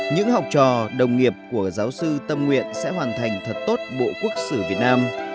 những học trò đồng nghiệp của giáo sư tâm nguyện sẽ hoàn thành thật tốt bộ quốc sử việt nam